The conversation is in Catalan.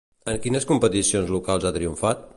En quines competicions locals ha triomfat?